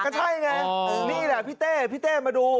ก็ใช่ไงนี่แหละพี่เต้พี่เต้มาดู